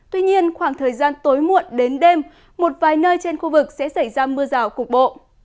tuy nhiên khoảng thời gian tối muộn đến đêm một vài nơi trên khu vực sẽ xảy ra mưa rào cục bộ